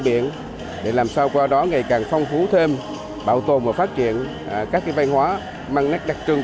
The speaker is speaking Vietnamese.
biển để làm sao qua đó ngày càng phong phú thêm bảo tồn và phát triển các văn hóa mang nét đặc trưng